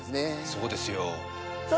そうですよさあ